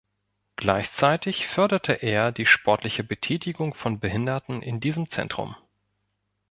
Gleichzeitig förderte er die sportliche Betätigung von Behinderten in diesem Zentrum.